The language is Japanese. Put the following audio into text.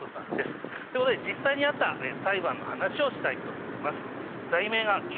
ってことで実際にあった裁判の話をしたいと思います。